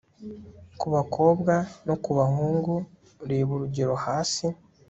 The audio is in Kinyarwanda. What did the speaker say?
ku bakobwa no ku bahungu reba urugero hasi